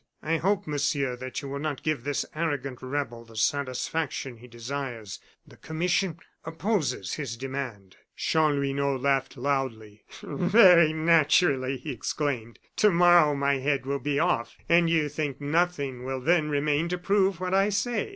"I hope, Monsieur, that you will not give this arrogant rebel the satisfaction he desires. The commission opposes his demand." Chanlouineau laughed loudly. "Very naturally," he exclaimed. "To morrow my head will be off, and you think nothing will then remain to prove what I say.